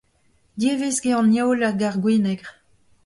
Dihevesk eo an eoul hag ar gwinêgr.